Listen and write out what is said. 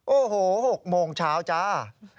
โอ้โห๖โมงเช้าจ้า